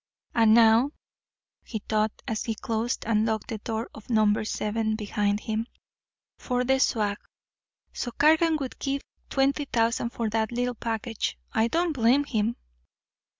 "And now," he thought, as he closed and locked the door of number seven behind him, "for the swag. So Cargan would give twenty thousand for that little package. I don't blame him."